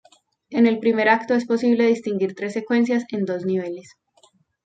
En el primer acto es posible distinguir tres secuencias en dos niveles.